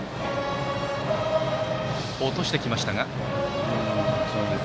落としてきましたが。